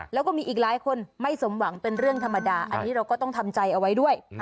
แล้วก็มีอีกหลายคนไม่สมหวังเป็นเรื่องธรรมดาอันนี้เราก็ต้องทำใจเอาไว้ด้วย